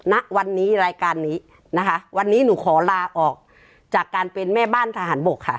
ณวันนี้รายการนี้นะคะวันนี้หนูขอลาออกจากการเป็นแม่บ้านทหารบกค่ะ